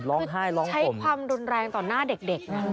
ร้องไห้ร้องผมคือใช้ความดนตรงต่อหน้าเด็ก